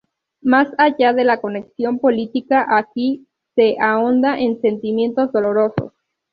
Más allá de la conexión política, aquí se ahonda en sentimientos dolorosos.